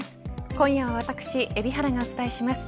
今夜は私海老原がお伝えします。